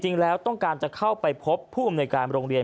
จริงแล้วต้องการจะเข้าไปพบผู้อำนวยการโรงเรียน